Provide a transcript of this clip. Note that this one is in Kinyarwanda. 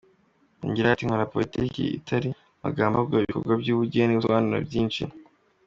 Yongeraho ati, “Nkora politike itari amagambo ahubwo ibikorwa by’ubugeni busobanura byinshi.